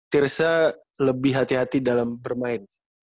tirsa lebih hati hati dalam bermain